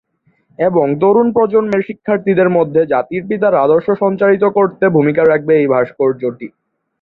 এবং তরুণ প্রজন্মের শিক্ষার্থীদের মধ্যে জাতির পিতার আদর্শ সঞ্চারিত করতে ভূমিকা রাখবে এই ভাস্কর্যটি।